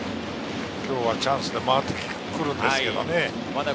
今日はチャンスで回ってくるんですけれどね。